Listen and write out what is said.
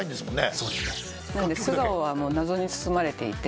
素顔は謎に包まれていて。